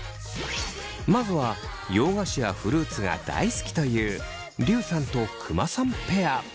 まずは洋菓子やフルーツが大好きというりゅうさんとくまさんペア。